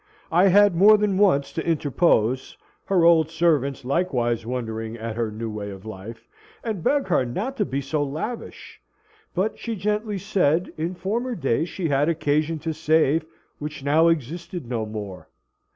I had more than once to interpose (her old servants likewise wondering at her new way of life), and beg her not to be so lavish. But she gently said, in former days she had occasion to save, which now existed no more.